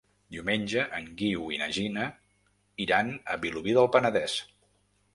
Diumenge en Guiu i na Gina iran a Vilobí del Penedès.